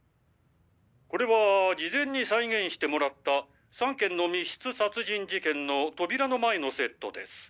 これは事前に再現してもらった３件の密室殺人事件の扉の前のセットです。